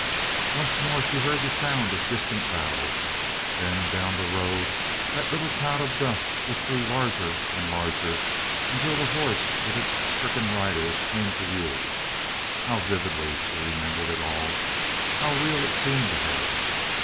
Once more she heard the sound of distant battle, then down the road that little cloud of dust which grew larger and larger, until the horse with its stricken rider came to view. How vividly she remembered it all, how real it seemed to her!